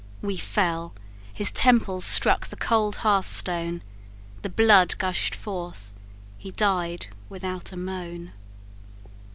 We fell his temples struck the cold hearth stone, The blood gush'd forth he died without a moan!